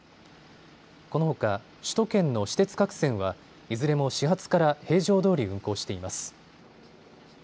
このほか首都圏の私鉄各線はいずれも始発から平常どおり運行しています。